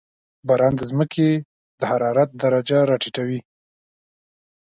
• باران د زمکې د حرارت درجه راټیټوي.